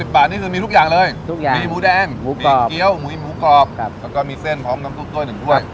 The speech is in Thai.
๖๐บาทนี่คือมีทุกอย่างเลยมีหมูแดงมีเกี๊ยวมีหมูกรอบแล้วก็มีเส้นพร้อมน้ำซุปก้วยหนึ่งด้วย